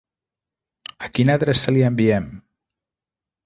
A quina adreça li enviem?